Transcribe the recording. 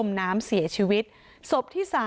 มีคนจมน้ำเสียชีวิต๔ศพแล้วเนี่ย